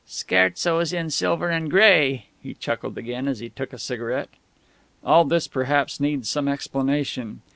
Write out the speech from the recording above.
"'Scherzos in Silver and Grey'!" he chuckled again as he took a cigarette.... All this, perhaps, needs some explanation.